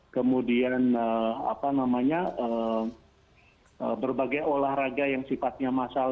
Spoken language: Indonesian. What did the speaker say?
kemudian berbagai olahraga yang sifatnya masal